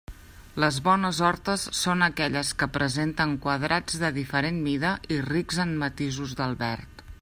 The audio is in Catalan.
Les bones hortes són aquelles que presenten quadrats de diferent mida i rics en matisos del verd.